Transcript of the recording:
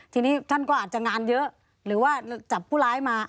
ทีนี้ท่านก็อาจจะงานเยอะหรือว่าจับผู้ร้ายมา